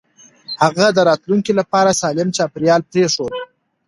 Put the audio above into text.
هغه د راتلونکي لپاره سالم چاپېريال پرېښود.